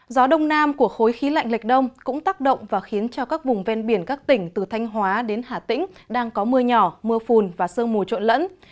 gió đông nam của khối khí lạnh lệch đông cũng tác động và khiến cho các vùng ven biển các tỉnh từ thanh hóa đến hà tĩnh đang có mưa nhỏ mưa phùn và sơn mù trộn lẫn